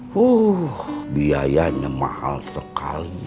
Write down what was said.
wuh biayanya mahal sekali